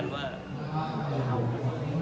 นะครับ